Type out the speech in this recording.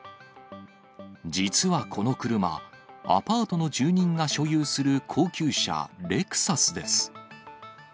実はこの車、アパートの住人が所有する高級車、レクサスです。